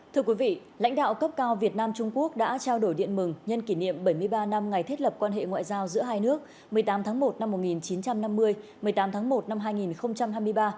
thưa quý vị lãnh đạo cấp cao việt nam trung quốc đã trao đổi điện mừng nhân kỷ niệm bảy mươi ba năm ngày thiết lập quan hệ ngoại giao giữa hai nước một mươi tám tháng một năm một nghìn chín trăm năm mươi một mươi tám tháng một năm hai nghìn hai mươi ba